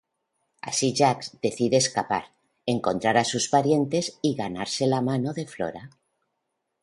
Así Jacques decide escapar, encontrar a sus parientes y ganarse la mano de Flora.